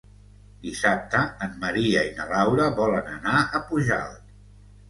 Dissabte en Maria i na Laura volen anar a Pujalt.